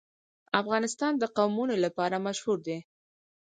افغانستان د قومونه لپاره مشهور دی.